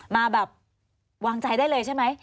มาแบบวางใจได้เลยใช่ไหม